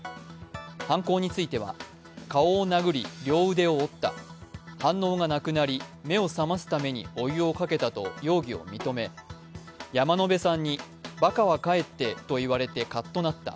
犯行については顔を殴り両腕を折った、反応がなくなり、目を覚ますためにお湯をかけたと容疑を認め、山野辺さんからバカは帰ってと言われてカッとなった、